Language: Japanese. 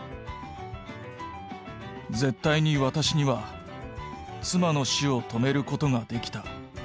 「絶対に私には妻の死を止めることができた。